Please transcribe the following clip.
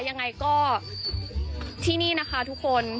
ยังไงก็ที่นี่นะคะทุกคน